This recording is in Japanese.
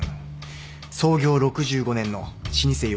創業６５年の老舗洋菓子店。